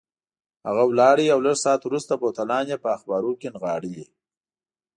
هغه ولاړ او لږ ساعت وروسته بوتلان یې په اخبارو کې رانغاړلي.